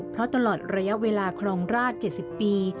เพราะตลอดระยะเวลาครองราช๗๐ปี